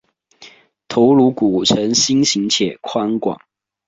头颅骨呈心型且宽广。